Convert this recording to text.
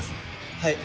はい。